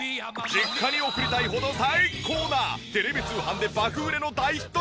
実家に送りたいほど最高なテレビ通販で爆売れの大ヒット商品を。